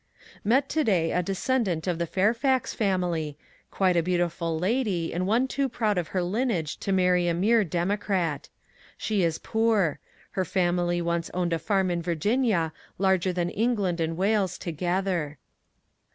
Met to day a descendant of the Fairfax family, — quite a beautiful lady, and one too proud of her lineage to marry a mere democrat. She is poor. The family once owned a farm in Virginia larger than England and Wales together.